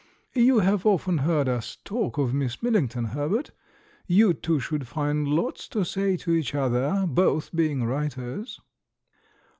You have often heard us talk of Miss Millington, Herbert? You two should find lots to say to each other, both being writers."